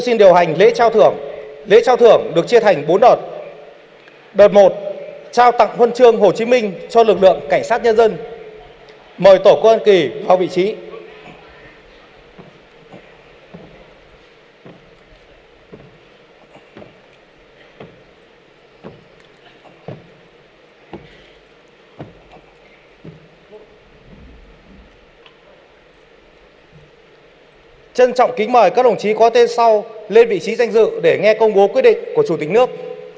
xin chân trọng kính mời các đồng chí có tên sau lên vị trí danh dự để nghe công bố quyết định của chủ tịch nước